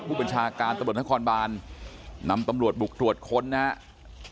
ผู้บัญชาการตำรวจนครบานนำตำรวจบุกตรวจค้นนะครับ